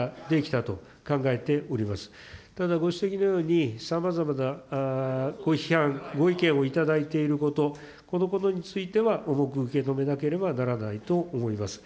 ただ、ご指摘のようにさまざまなご批判、ご意見を頂いていること、このことについては重く受け止めなければならないと思います。